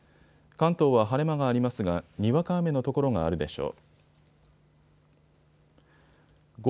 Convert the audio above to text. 関東は晴れ間がありますが、にわか雨の所があるでしょう。